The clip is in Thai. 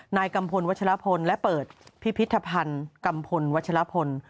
กัมพลวัชลพลและเปิดพิพิธภัณฑ์กัมพลวัชลพล